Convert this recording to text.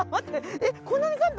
えっこんなに簡単。